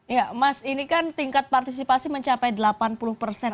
ya mas ini kan tingkat partisipasi mencapai delapan puluh persen